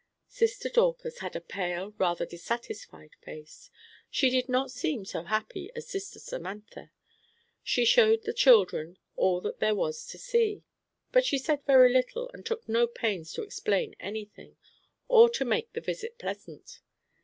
Sister Dorcas had a pale, rather dissatisfied face. She did not seem so happy as Sister Samantha. She showed the children all that there was to see, but she said very little and took no pains to explain any thing, or to make the visit pleasant.